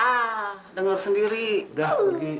tak udah ngurus sendiri udah pergi